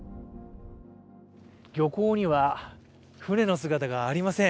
漁港には、船の姿がありません。